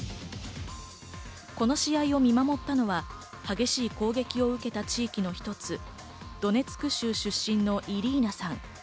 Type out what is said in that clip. この試合を見守ったのは激しい攻撃を受けた地域の一つ、ドネツク州出身のイリーナさん。